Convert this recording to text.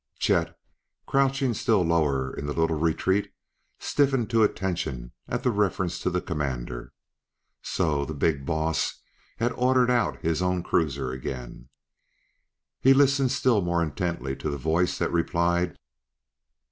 Chet, crouching still lower in the little retreat, stiffened to attention at the reference to the Commander. So the "big boss" had ordered out his own cruiser again! He listened still more intently to the voice that replied.